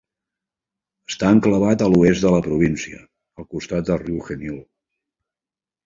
Està enclavat a l'oest de la província, al costat del riu Genil.